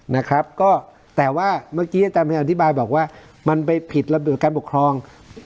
นะครับก็แต่ว่าเมื่อกี้อาจารย์พยายามอธิบายบอกว่ามันไปผิดระเบียบการปกครอง